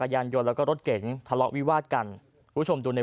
ยานยนต์แล้วก็รถเก๋งทะเลาะวิวาดกันผู้ชมดูใน